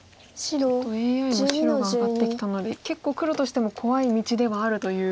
ちょっとＡＩも白が上がってきたので結構黒としても怖い道ではあるという。